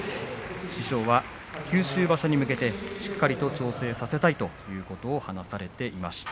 師匠は九州場所に向けてしっかりと調整させたいということを話されていました。